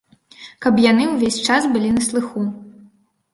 Каб яны ўвесь час былі на слыху.